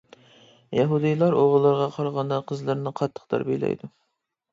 يەھۇدىيلار ئوغۇللىرىغا قارىغاندا قىزلىرىنى قاتتىق تەربىيەلەيدۇ.